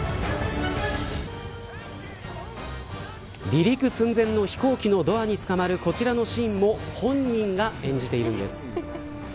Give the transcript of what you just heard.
離陸寸前の飛行機のドアに捕まるこちらのシーンも本人が演じているんです。